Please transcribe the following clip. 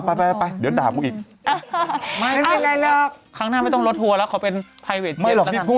ไปเดี๋ยวด่ากูอีก